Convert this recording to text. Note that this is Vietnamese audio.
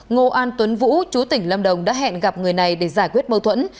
ngô an tuấn vũ chú tỉnh lâm đồng đã hẹn gặp người này để giải quyết mâu thuẫn